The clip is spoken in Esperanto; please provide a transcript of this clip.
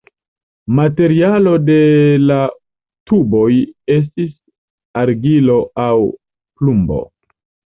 Materialo de la tuboj estis argilo aŭ plumbo.